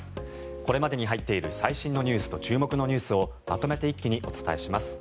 これまでに入っている最新ニュースと注目ニュースをまとめて一気にお伝えします。